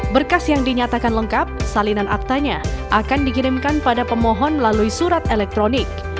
berkas yang dinyatakan lengkap salinan aktanya akan dikirimkan pada pemohon melalui surat elektronik